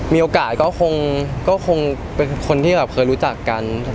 มีโอกาสก็คงเป็นคนที่เคยรู้จักกัน